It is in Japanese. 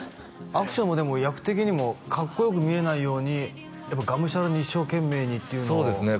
アクションもでも役的にもかっこよく見えないようにがむしゃらに一生懸命にっていうのをそうですね